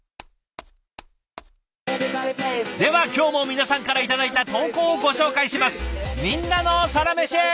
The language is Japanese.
では今日も皆さんから頂いた投稿をご紹介します。